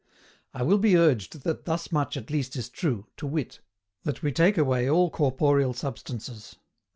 I will be urged that thus much at least is true, to wit, that we take away all corporeal substances.